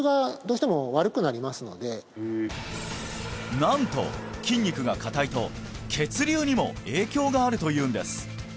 なんと筋肉が硬いと血流にも影響があるというんです